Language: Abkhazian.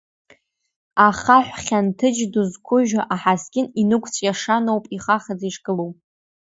Ахаҳә хьанҭыџь ду зқәыжьу аҳаскьын, инақәҵәиашаноуп, ихахаӡа ишгылоу.